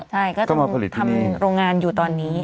ใช่ก็ต้องทำโรงงานอยู่ตอนนี้